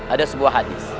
ada sebuah hadis